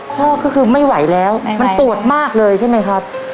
พ่อก็คือไม่ไหวแล้วมันปวดมากเลยใช่ไหมครับ